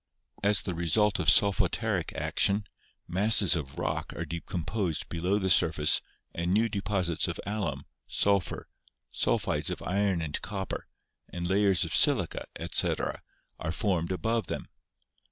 As the result of solfataric action, masses of rock are de composed below the surface and new deposits of alum, sulphur, sulphides of iron and copper, and layers of silica, etc., are formed above them.